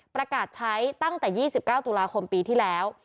ประกาศใช้ตั้งแต่๒๙ตุลาคมปีที่แล้ว